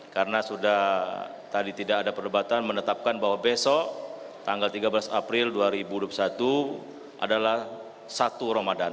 karena sudah tadi tidak ada perdebatan menetapkan bahwa besok tanggal tiga belas april dua ribu dua puluh satu adalah satu ramadhan